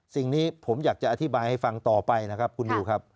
สิ่งนี้ผมอยากจะอธิบายให้ฟังต่อไปนะครับคุณนิวครับ